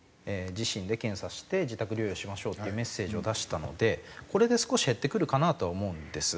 自身で検査して自宅療養しましょうっていうメッセージを出したのでこれで少し減ってくるかなとは思うんです。